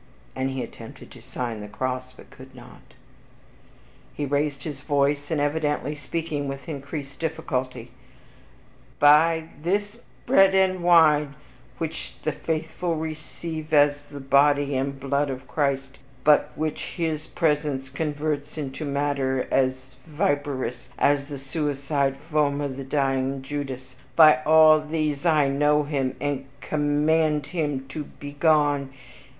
and he attempted to sign the cross, but could not. He raised his voice, and evidently speaking with increased difficulty, "By this bread and wine, which the faithful receive as the body and blood of Christ, but which HIS presence converts into matter as viperous as the suicide foam of the dying Judas, by all these I know him, and command him to be gone!